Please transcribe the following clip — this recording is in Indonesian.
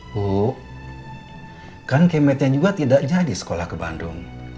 bu kan kmt juga tidak jadi sekolah ke bandung